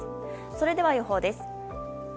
それでは予報です。